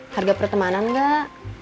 harga pertemanan nggak